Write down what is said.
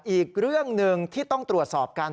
อีกเรื่องหนึ่งที่ต้องตรวจสอบกัน